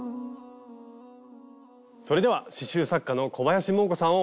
それでは刺しゅう作家の小林モー子さんをお呼びしましょう。